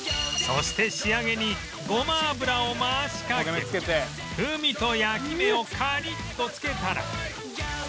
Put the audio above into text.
そして仕上げにごま油を回しかけ風味と焼き目をカリッとつけたら